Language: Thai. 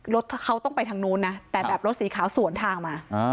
รถเขาต้องไปทางนู้นนะแต่แบบรถสีขาวสวนทางมา